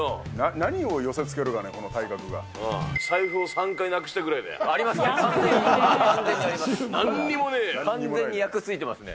何を寄せつけるかね、この体財布を３回なくしたくらいだありますね。